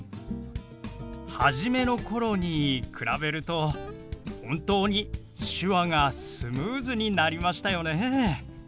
初めの頃に比べると本当に手話がスムーズになりましたよね。